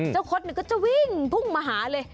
คดก็จะวิ่งพุ่งมาหาเลย